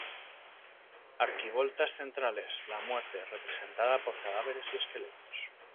Arquivoltas centrales: la Muerte, representada por cadáveres y esqueletos.